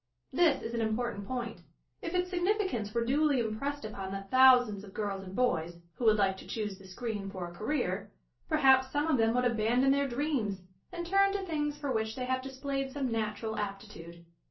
This is an important point. If its signif icance were duly impressed upon the thousands of girls and boys, who would like to choose the screen for a career, perhaps, some of them would abandon their dreams and turn to things for which they have displayed some natural aptitude.